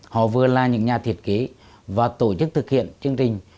họ vừa là những nhà thiết kế và tổ chức thực hiện chương trình